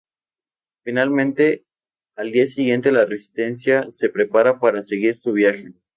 Finalmente, al día siguiente la resistencia se prepara para seguir su viaje.